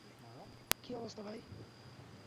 কী অবস্থা, ভাই?